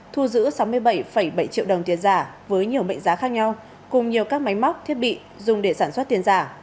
thu giữ sáu mươi bảy bảy triệu đồng tiền giả với nhiều mệnh giá khác nhau cùng nhiều các máy móc thiết bị dùng để sản xuất tiền giả